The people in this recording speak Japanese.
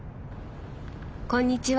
こんにちは。